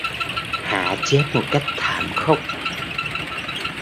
Hạ Chết một cách thảm khốc